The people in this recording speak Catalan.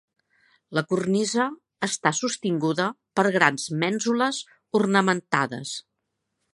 La cornisa està sostinguda per grans mènsules ornamentades.